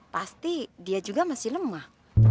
pasti dia juga masih lemah